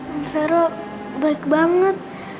om fero baik banget